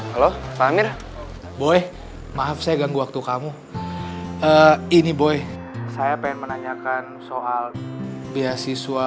halo pak amir boleh maaf saya ganggu waktu kamu ini boy saya ingin menanyakan soal beasiswa